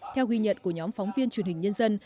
theo ghi nhận của nhóm phóng viên truyền hình nhân dân